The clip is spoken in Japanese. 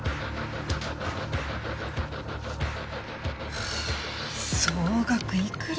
はあ総額いくらよ？